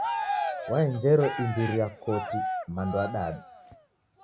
Waenjero imbiri ya koti mando adadu.